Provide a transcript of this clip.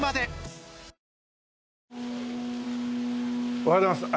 おはようございます。